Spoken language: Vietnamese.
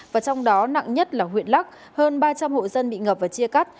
và trong đó nặng nhất là huyện lắc hơn ba trăm linh hộ dân bị ngập và chia cắt